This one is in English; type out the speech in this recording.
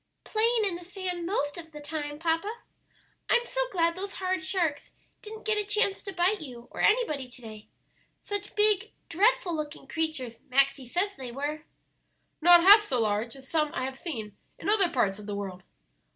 "Playing in the sand most of the time, papa. I'm so glad those horrid sharks didn't get a chance to bite you or anybody to day. Such big, dreadful looking creatures Maxie says they were." "Not half so large as some I have seen in other parts of the world."